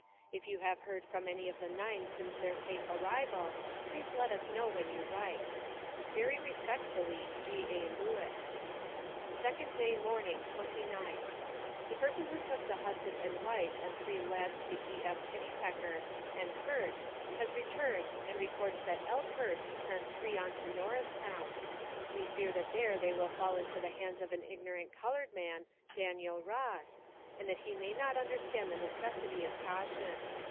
If you have heard from any of the nine since their safe arrival, please let us know when you write. Very Respectfully, G.A. LEWIS. 2d day morning, 29th. The person who took the husband and wife and three lads to E.F. Pennypecker, and Peart, has returned and reports that L. Peart sent three on to Norristown. We fear that there they will fall into the hands of an ignorant colored man Daniel Ross, and that he may not understand the necessity of caution.